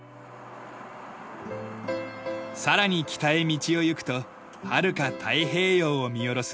さらに北へ道を行くとはるか太平洋を見下ろす